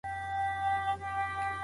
فارمسي پوهنځۍ په چټکۍ نه ارزول کیږي.